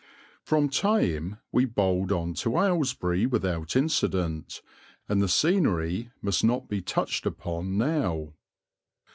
From Thame we bowled on to Aylesbury without incident, and the scenery must not be touched upon now.